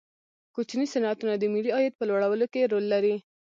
کوچني صنعتونه د ملي عاید په لوړولو کې رول لري.